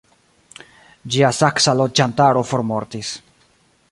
Ĝia saksa loĝantaro formortis.